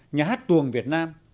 nhà hát tuồng việt nam